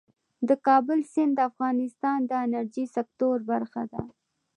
د کابل سیند د افغانستان د انرژۍ سکتور برخه ده.